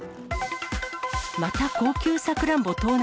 また高級サクランボ盗難。